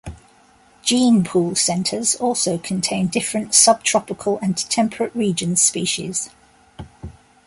Gene pool centres also contain different sub tropical and temperate region species.